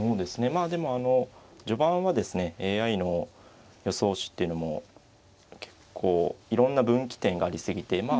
まあでも序盤はですねＡＩの予想手っていうのも結構いろんな分岐点がありすぎてまあ